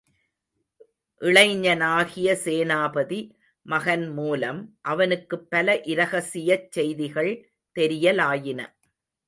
இளைஞனாகிய சேனாபதி மகன் மூலம், அவனுக்குப் பல இரகசியச் செய்திகள் தெரியலாயின.